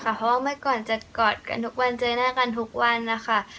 เพราะว่าเมื่อก่อนจะกอดกันทุกวันเจอหน้ากันทุกวันนะคะ